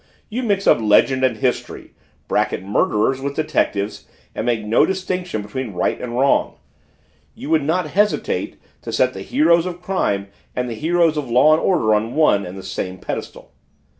You mix up legend and history, bracket murderers with detectives, and make no distinction between right and wrong! You would not hesitate to set the heroes of crime and the heroes of law and order on one and the same pedestal!"